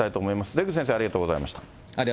出口先生、ありがとうございました。